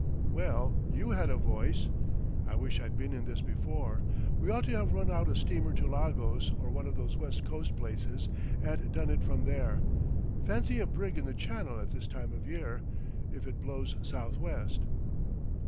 "Well, you had a voice—" "I wish I'd been in this before. We ought to have run out a steamer to Lagos or one of those West Coast places and done it from there. Fancy a brig in the channel at this time of year, if it blows southwest!"